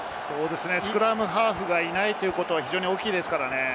スクラムハーフがいないということは非常に大きいですからね。